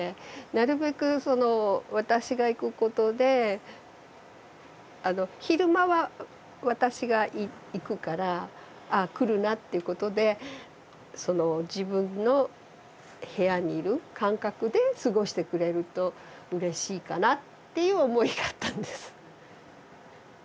なるべく私が行くことで昼間は私が行くからああ来るなってことで自分の部屋にいる感覚で過ごしてくれるとうれしいかなっていう思いがあったんです。